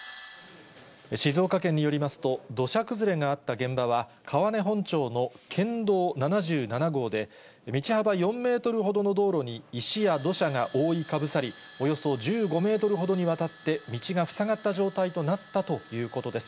静岡県によりますと、土砂崩れがあった現場は、川根本町の県道７７号で、道幅４メートルほどの道路に石や土砂が覆いかぶさり、およそ１５メートルほどにわたって道が塞がった状態となったということです。